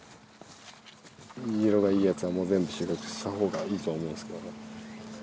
色がいいやつは、もう全部収穫したほうがいいと思うんですけどね。